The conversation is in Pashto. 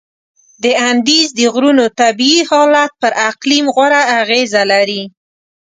د اندیز د غرونو طبیعي حالت پر اقلیم غوره اغیزه لري.